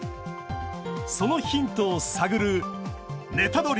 そのヒントを探る、ネタドリ！